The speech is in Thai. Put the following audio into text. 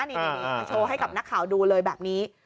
นี่มาโชว์ให้กับนักข่าวดูเลยแบบนี้